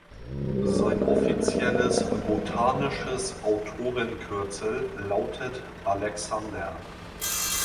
Sein offizielles botanisches Autorenkürzel lautet „Alexander“.